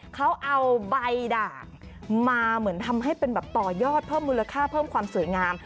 เขาเอาใบด่างมาเหมือนทำให้เป็นแบบต่อยอดเพิ่มมูลค่าเพิ่มความสวยงาม